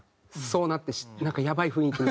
そうなってなんかやばい雰囲気。